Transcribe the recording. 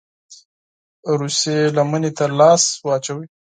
روسيې لمني ته لاس واچوي.